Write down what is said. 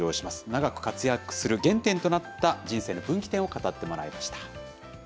長く活躍する原点となった人生の分岐点を語ってもらいました。